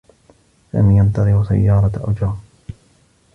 سامي ينتظر سيّارة أجرة.